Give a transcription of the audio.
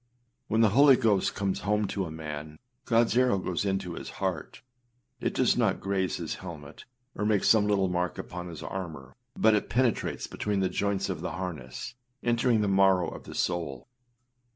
When the Holy Ghost comes home to a man, Godâs arrow goes into his heart: it does not graze his helmet, or make some little mark upon his armour, but it penetrates between the joints of the harness, entering the marrow of the soul.